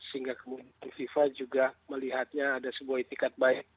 sehingga kemudian fifa juga melihatnya ada sebuah etikat baik